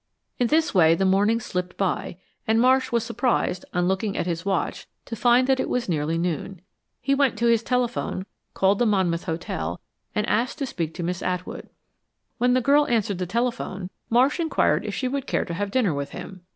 In this way the morning slipped by and Marsh was surprised, on looking at his watch, to find that it was nearly noon. He went to his telephone, called the Monmouth Hotel, and asked to speak to Miss Atwood. When the girl answered the telephone, Marsh inquired if she would care to have dinner with him.